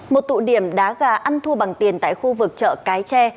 một tụ điểm đá gà ăn thua bằng tiền tại khu vực chợ cái tre